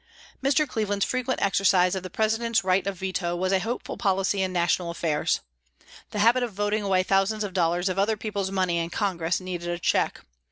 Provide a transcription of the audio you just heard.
Mr. Cleveland's frequent exercise of the President's right of veto was a hopeful policy in national affairs. The habit of voting away thousands of dollars of other people's money in Congress needed a check.